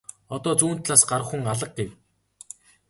Одоо зүүн талаас гарах хүн алга гэв.